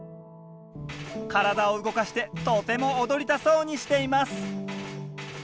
体を動かしてとても踊りたそうにしています。